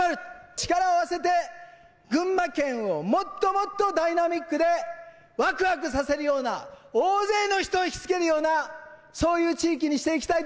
力を合わせて群馬県をもっともっとダイナミックでワクワクさせるような大勢の人を引きつけるようなそういう地域にしていきたい。